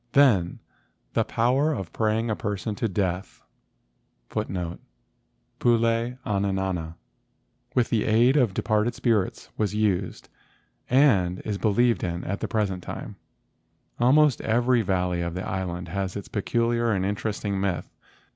Then the power of praying a person to death * with the aid of departed spirits was used, and is believed in, at the present time. Almost every valley of the island has its peculiar and interesting myth.